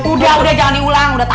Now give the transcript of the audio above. udah udah jangan diulang udah tahu